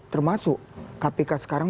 termasuk kpk sekarang